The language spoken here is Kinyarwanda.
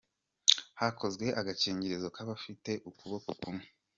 Hakozwe agakingirizo k’abafite ukuboko kumwe